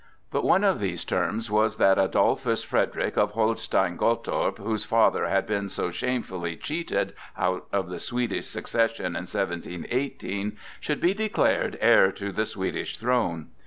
But one of these terms was that Adolphus Frederick of Holstein Gottorp, whose father had been so shamefully cheated out of the Swedish succession in 1718, should be declared heir to the Swedish throne.